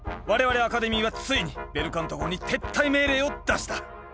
我々アカデミーはついにベルカント号に撤退命令を出した。